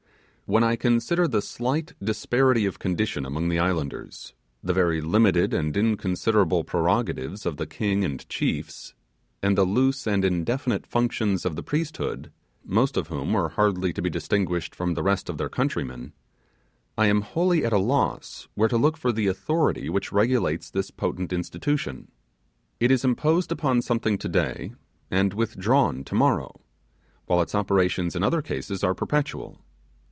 When I consider the slight disparity of condition among the islanders the very limited and inconsiderable prerogatives of the king and chiefs and the loose and indefinite functions of the priesthood, most of whom were hardly to be distinguished from the rest of their countrymen, I am wholly at a loss where to look for the authority which regulates this potent institution. It is imposed upon something today, and withdrawn tomorrow; while its operations in other cases are perpetual.